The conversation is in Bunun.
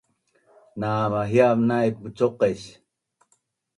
Na mahiav naip mucuqais